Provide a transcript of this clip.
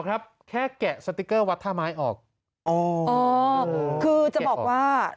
ครับแค่แกะสติ๊กเกอร์วัดท่าไม้ออกอ๋ออ๋อคือจะบอกว่า